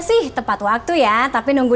sih tepat waktu ya tapi nunggu